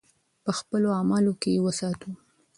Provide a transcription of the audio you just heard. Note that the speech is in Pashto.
په خپلو اعمالو کې یې وساتو.